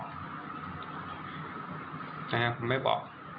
นะครับผมไม่บอก